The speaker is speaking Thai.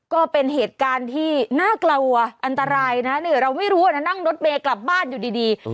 ก็เป็นเหตุการณ์ที่น่ากลัวอันตรายนะนี่เราไม่รู้นะนั่งรถเมย์กลับบ้านอยู่ดี